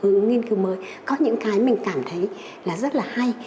hướng nghiên cứu mới có những cái mình cảm thấy là rất là hay